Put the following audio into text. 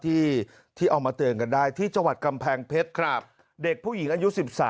ที่เอามาเตือนกันได้ที่จังหวัดกำแพงเพชรเด็กผู้หญิงอายุ๑๓